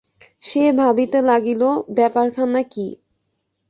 সে ভাবিতে লাগিল, ব্যাপারখানা কী?